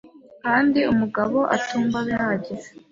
kandi umugabo atumva bihagije.